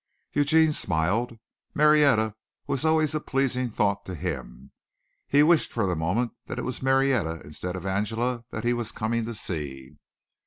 Eugene smiled. Marietta was always a pleasing thought to him. He wished for the moment that it was Marietta instead of Angela that he was coming to see.